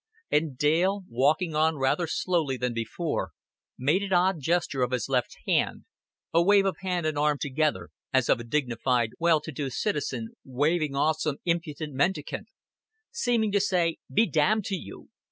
And Dale, walking on rather slower than before, made an odd gesture of his left hand, a wave of hand and arm together, as of a dignified well to do citizen waving off some impudent mendicant: seeming to say, "Be damned to you.